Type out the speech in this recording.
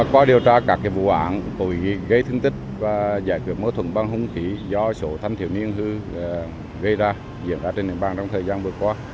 qua điều tra các vụ ảnh gây thương tích và giải quyết mâu thuẫn bằng hung khí do số thanh thiểu niên hư gây ra diễn ra trên địa bàn trong thời gian vừa qua